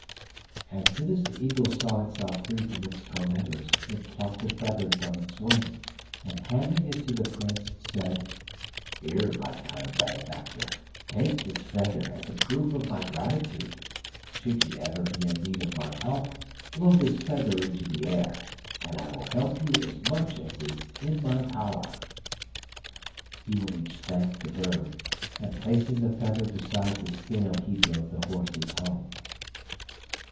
As soon as the eagle saw itself free from its tormentors it plucked a feather from its wing, and, handing it to the Prince, said: 'Here, my kind benefactor, take this feather as a proof of my gratitude; should you ever be in need of my help blow this feather into the air, and I will help you as much as is in my power.' Iwanich thanked the bird, and placing the feather beside the scale he drove the horses home.